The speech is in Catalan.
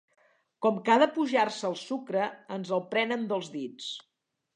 Com que ha d'apujar-se el sucre, ens el prenen dels dits.